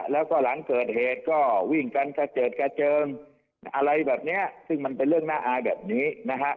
แล้วก็หลังเกิดเหตุก็วิ่งกันกระเจิดกระเจิงอะไรแบบนี้ซึ่งมันเป็นเรื่องน่าอายแบบนี้นะฮะ